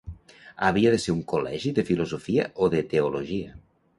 Havia de ser un col·legi de filosofia o de teologia.